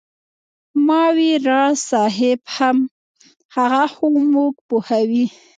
ما وې راز صاحب هغه خو موږ پوهوي.